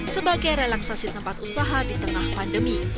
sebagai relaksasi tempat usaha di tengah pandemi